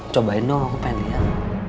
coba aja aku pengen lihat